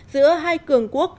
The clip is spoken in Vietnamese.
giữa hai cường quốc